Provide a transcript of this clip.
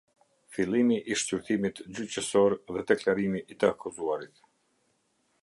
Fillimi i shqyrtimit gjyqësor dhe deklarimi i të akuzuarit.